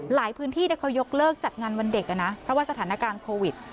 พื้นที่เขายกเลิกจัดงานวันเด็กนะเพราะว่าสถานการณ์โควิด